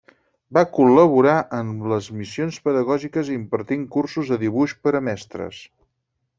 Va col·laborar amb les Missions Pedagògiques impartint cursos de dibuix per a mestres.